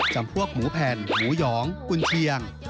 จำพวกหมูแผ่นหมูหยองกุญเชียง